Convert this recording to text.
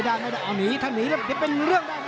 อ๋อไม่ได้นี่ถ้านนีไม่ได้เป็นเรื่องอะไร